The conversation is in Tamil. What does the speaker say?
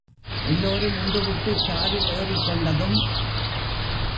எல்லோரும் உண்டுவிட்டு காரில் ஏறிக்கொண்டதும்.